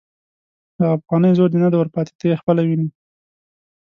هغه پخوانی زور نه دی ور پاتې، ته یې خپله ویني.